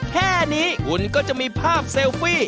แค่นี้คุณก็จะมีภาพเซลฟี่